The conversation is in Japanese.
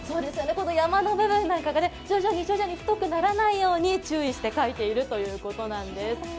山の部分が徐々に太くならないように注意して描いているということなんです。